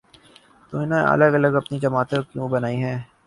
تو انہوں نے الگ الگ اپنی جماعتیں کیوں بنائی ہیں؟